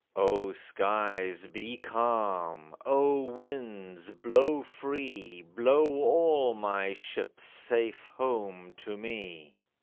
O skies, be calm! O winds, blow free— Blow all my ships safe home to me!